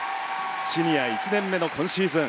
シニア１年目の今シーズン。